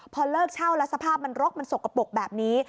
พอเลิกเช่าแล้วสภาพมันรกมันสกปรกแบบนี้